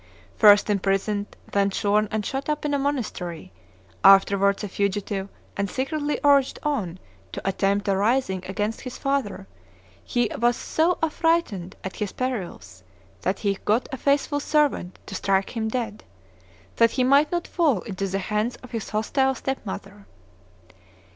First imprisoned, then shorn and shut up in a monastery, afterwards a fugitive and secretly urged on to attempt a rising against his father, he was so affrightened at his perils, that he got a faithful servant to strike him dead, that he might not fall into the hands of his hostile step mother.